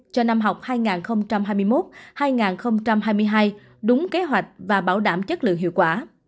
cho năm học hai nghìn hai mươi một hai nghìn hai mươi hai đúng kế hoạch và bảo đảm chất lượng hiệu quả